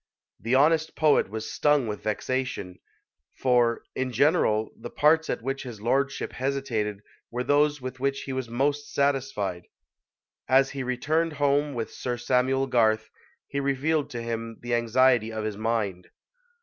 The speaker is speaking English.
The honest poet was stung with vexation; for, in general, the parts at which his lordship hesitated were those with which he was most satisfied. As he returned home with Sir Samuel Garth, he revealed to him the anxiety of his mind.